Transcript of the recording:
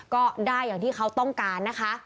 ก็ได้อย่างที่เขาต้องการนะคะ